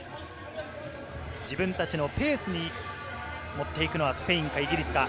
自分たちのペースに持っていくのはスペインかイギリスか。